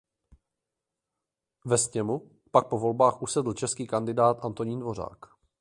Ve sněmu pak po volbách usedl český kandidát Antonín Dvořák.